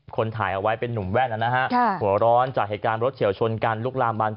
คนถ่ายเอาไว้เป็นนุ่มแว่นนะฮะหัวร้อนจากเหตุการณ์รถเฉียวชนกันลุกลามบาน